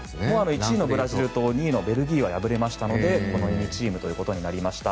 １位のブラジルと２位のベルギーは敗れましたのでこの２チームとなりました。